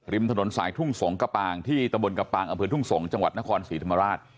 ริมถนนสายทุ่งสงกปางที่ตะบลกปางอบพื้นทุ่งสงจังหวัดนครศรีธรรมราช